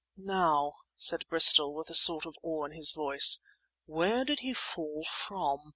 "Now," said Bristol, with a sort of awe in his voice, "where did he fall from?"